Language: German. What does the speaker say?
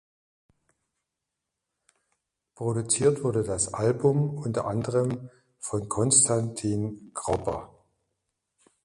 Produziert wurde das Album unter anderem von Konstantin Gropper.